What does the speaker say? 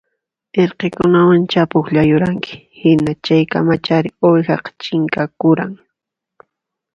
Irqikunawancha pukllayuranki hina chaykamachari uwihaqa chinkakuran